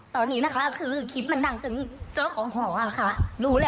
ตอนนี้นะคะคือคลิปมันดังจนเจอของห่อค่ะ